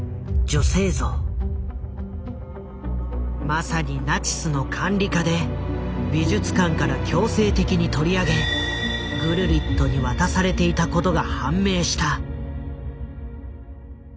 まさにナチスの管理下で美術館から強制的に取り上げグルリットに渡されていたことが判明した。